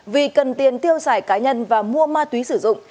vì cần tiền tiêu xài cá nhân và mua ma túy sử dụng